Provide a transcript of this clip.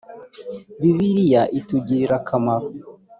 bibiliya itugirira akamaro.